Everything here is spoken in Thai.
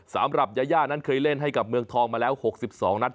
สำหรับยาย่านั้นเคยเล่นให้กับเมืองทองมาแล้ว๖๒นัด